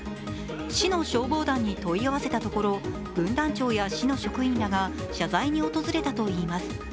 市の消防団に問い合わせたところ、分団長や市の職員らが謝罪に訪れたといいます。